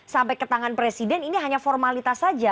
sampai ke tangan presiden ini hanya formalitas saja